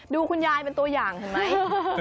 คุณยายเป็นตัวอย่างเห็นไหม